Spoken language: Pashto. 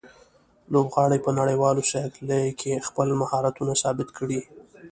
لوبغاړي په نړیوالو سیالیو کې خپل مهارتونه ثابت کړي.